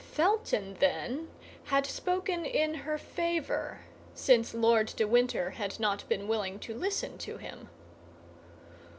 Felton, then, had spoken in her favor, since Lord de Winter had not been willing to listen to him.